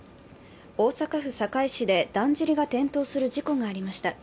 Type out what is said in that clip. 大阪府堺市でだんじりが転倒する事故がありました。